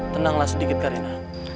tenanglah sedikit karina